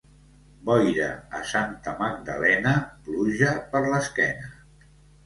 Boira a Santa Magdalena, pluja per l'esquena.